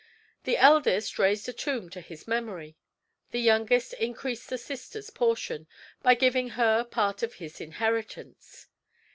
The eldest raised a tomb to his memory; the youngest increased his sister's portion, by giving her part of his inheritance.